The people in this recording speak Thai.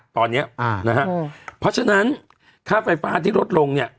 เพราะฉะนั้นค่าไฟฟ้าที่ลดลงเนี่ย